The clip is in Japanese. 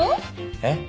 えっ？